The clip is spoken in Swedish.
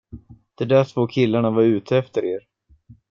De där två killarna var ute efter er.